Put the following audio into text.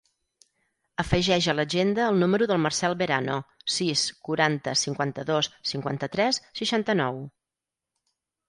Afegeix a l'agenda el número del Marcel Verano: sis, quaranta, cinquanta-dos, cinquanta-tres, seixanta-nou.